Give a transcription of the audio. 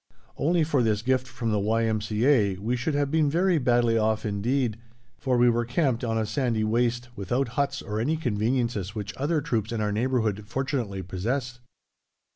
Only for this gift from the Y.M.C.A. we should have been very badly off indeed, for we were camped on a sandy waste without huts or any conveniences which other troops in our neighbourhood fortunately possessed.